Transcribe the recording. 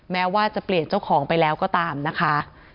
แม้ว่าจะเปลี่ยนเจ้าของไปแล้วก็ตามนะคะ